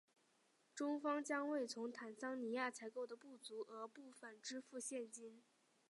中方将为从坦桑尼亚采购的不足额部分支付现金。